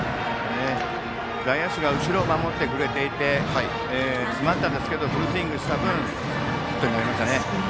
外野手が後ろを守ってくれていて詰まったんですけどフルスイングした分ヒットになりましたね。